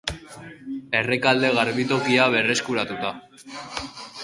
Errekalde garbitokia berreskuratuta.